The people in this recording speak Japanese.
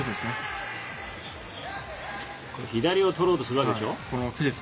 左をとろうとするわけでしょ。